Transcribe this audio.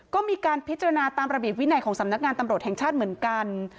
ก็มีการพิจารณาตามระเบียบวินัยของสำนักงานตำรวจแห่งชาติเหมือนกัน